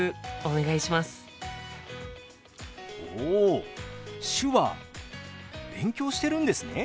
お手話勉強してるんですね。